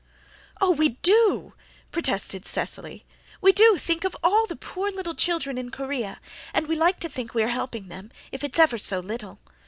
"Oh, we do," protested Cecily. "We do think of all the poor little children in Korea, and we like to think we are helping them, if it's ever so little.